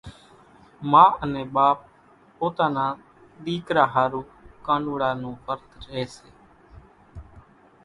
ما انين ٻاپ پوتا نا ۮيڪرا ۿارُو ڪانوڙا نون ورت رئي سي۔